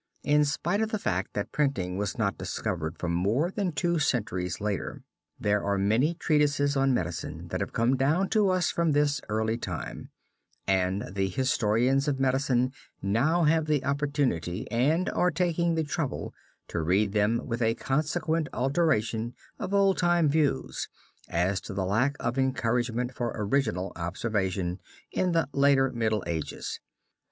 In spite of the fact that printing was not discovered for more than two centuries later, there are many treatises on medicine that have come down to us from this early time, and the historians of medicine now have the opportunity, and are taking the trouble, to read them with a consequent alteration of old time views, as to the lack of encouragement for original observation, in the later Middle Ages.